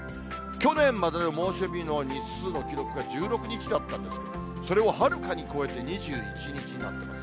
去年までの猛暑日の日数の記録が１６日だったんですけど、それをはるかに超えて２１日になってます。